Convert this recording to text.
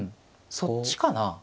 そっちかな？